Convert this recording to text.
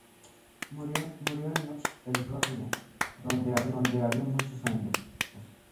Murió en Long Beach, California, donde había vivido muchos años.